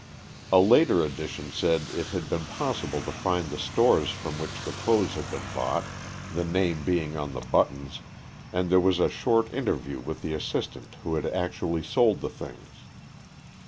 A later edition said it had been possible to find the stores from which the clothes had been bought, the name being on the buttons, and there was a short interview with the assistant who had actually sold the things.